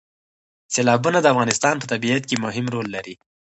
سیلابونه د افغانستان په طبیعت کې مهم رول لري.